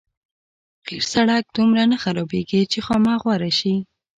قیر سړک دومره نه خرابېږي چې خامه غوره شي.